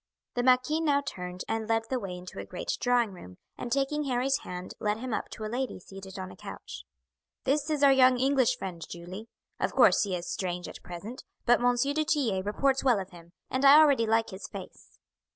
The marquis now turned and led the way into a great drawing room, and taking Harry's hand led him up to a lady seated on a couch. "This is our young English friend, Julie. Of course he is strange at present, but M. du Tillet reports well of him, and I already like his face."